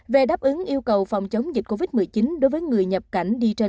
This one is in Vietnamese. về đáp ứng yêu cầu phòng chống dịch covid một mươi chín đối với người nhập cảnh đi trên